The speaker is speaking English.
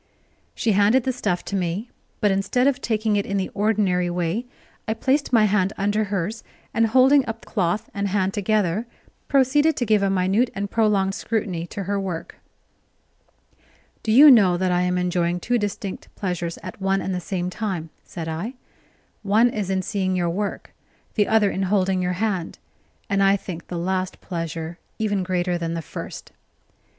She handed the stuff to me, but instead of taking it in the ordinary way, I placed my hand under hers, and, holding up cloth and hand together, proceeded to give a minute and prolonged scrutiny to her work. "Do you know that I am enjoying two distinct pleasures at one and the same time?" said I. "One is in seeing your work, the other in holding your hand; and I think the last pleasure even greater than the first."